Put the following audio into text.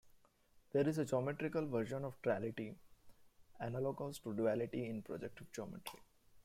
There is a geometrical version of triality, analogous to duality in projective geometry.